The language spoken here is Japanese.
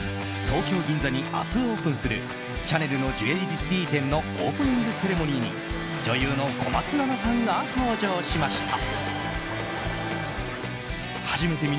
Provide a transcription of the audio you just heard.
東京・銀座に明日オープンするシャネルのジュエリー店のオープニングセレモニーに女優の小松菜奈さんが登場しました。